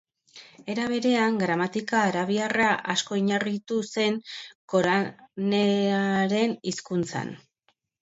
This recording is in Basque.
Era berean, gramatika arabiarra asko oinarritu zen Koranaren hizkuntzan.